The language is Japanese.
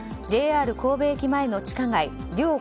ＪＲ神戸駅前の地下街デュオ